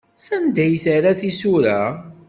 Sanda ay terra tisura?